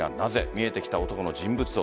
見えてきた男の人物像。